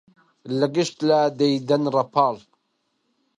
لە گشت لا دەیدەن ڕەپاڵ